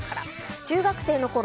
中学生のころ